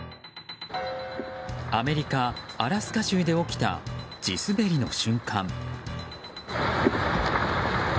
アメリカ・アラスカ州で起きた、地滑りの瞬間。